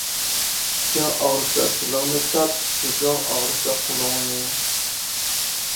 چىشىڭ ئاغرىسا تىلىڭنى تارت، كۆزۈڭ ئاغرىسا قولۇڭنى.